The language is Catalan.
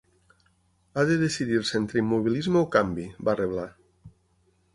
Ha de decidir-se entre immobilisme o canvi, va reblar.